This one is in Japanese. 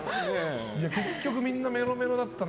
結局みんなメロメロだったな。